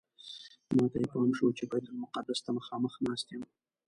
ماته یې پام شو چې بیت المقدس ته مخامخ ناست یم.